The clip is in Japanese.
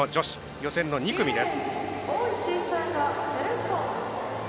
予選の２組です。